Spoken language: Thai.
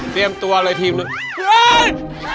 เตรียมตัวเลยทีมนู้น